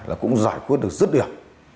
là cũng giải quyết được rất điểm